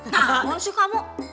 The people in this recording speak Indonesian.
nah kan sih kamu